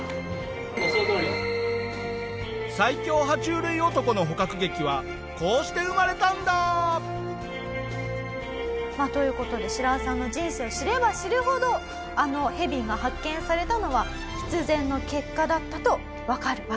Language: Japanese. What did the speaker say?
最強爬虫類男の捕獲劇はこうして生まれたんだ！という事でシラワさんの人生を知れば知るほどあのヘビが発見されたのは必然の結果だったとわかるわけでございます。